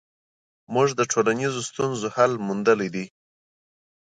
موږ د ټولنیزو ستونزو حل موندلی دی.